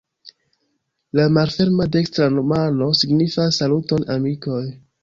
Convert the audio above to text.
La malferma dekstra mano signifas "Saluton amikoj!